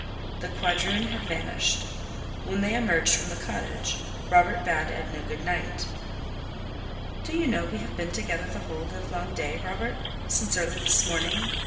The quadroon had vanished. When they emerged from the cottage Robert bade Edna good night. "Do you know we have been together the whole livelong day, Robert—since early this morning?"